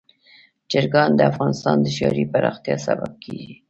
چرګان د افغانستان د ښاري پراختیا سبب کېږي.